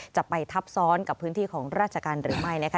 จะไปทับซ้อนกับพื้นที่ของราชการหรือไม่นะคะ